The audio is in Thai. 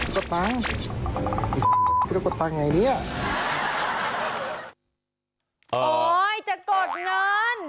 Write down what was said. อ๋อจะกดเงิน